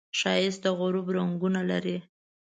ښایست د غروب رنګونه لري